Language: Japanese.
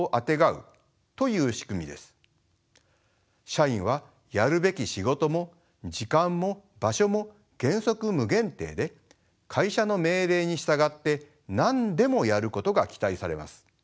社員はやるべき仕事も時間も場所も原則無限定で会社の命令に従って何でもやることが期待されます。